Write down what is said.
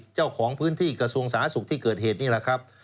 เจ้าของพื้นที่กระทรวงสาธารณสุขที่เกิดเหตุนี่แหละครับ